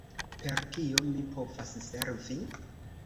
Per kio mi povas servi?